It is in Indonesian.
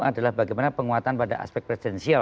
adalah bagaimana penguatan pada aspek presidensial